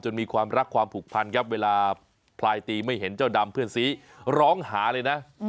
มีความรักความผูกพันครับเวลาพลายตีไม่เห็นเจ้าดำเพื่อนสีร้องหาเลยนะ